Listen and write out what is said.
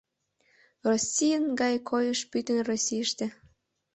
«Российын» гай койыш пӱтынь Российыште.